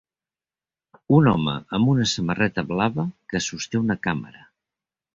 Un home amb una samarreta blava que sosté una càmera